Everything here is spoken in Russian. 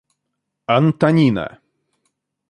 Антонина